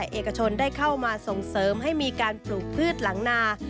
เอกชนได้เข้ามาส่งเสริมให้มีการปลูกพืชหลังนา